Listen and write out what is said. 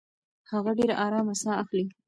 هغه ډېره ارامه ساه اخلي.